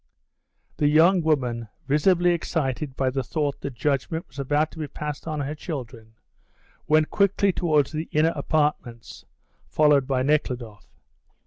The young woman, visibly excited by the thought that judgment was about to be passed on her children, went quickly towards the inner apartments, followed by Nekhludoff.